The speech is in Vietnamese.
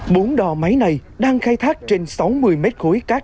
bốn đò máy này đang khai thác trên sáu mươi m khối cát trái phép